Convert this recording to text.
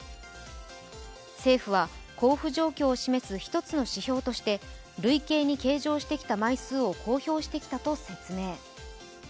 政府は、交付状況を示す１つの指標として累計に計上してきた枚数を公表してきたと説明。